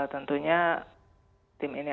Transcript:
tentunya tim ini